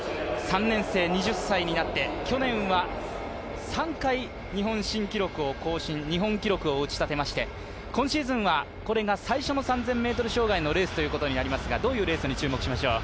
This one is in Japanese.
３年生、２０歳になって去年は３回、日本記録を更新日本記録を打ち立てまして今シーズンはこれが最初の３０００ｍ障害のレースになりますがどういうレースに注目しましょう？